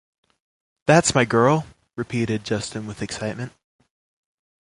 That’s my girl! Repeated Justin with excitement.